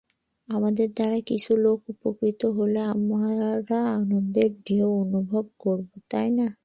আমাদের দ্বারা কিছু লোক উপকৃত হলে আমরা আনন্দের ঢেউ অনুভব করব, তাই না?